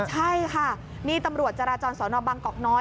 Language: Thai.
ใช่ค่ะนี่ตำรวจจราจรสอนอบังกอกน้อย